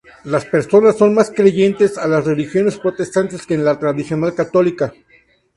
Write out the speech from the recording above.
Las personas son más creyentes a las Religiones protestantes que en la tradicional Católica.